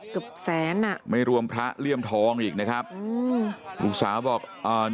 เกือบแสนอ่ะไม่รวมพระเลี่ยมทองอีกนะครับอืมลูกสาวบอกอ่า